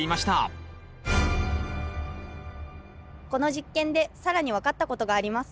この実験で更に分かったことがあります。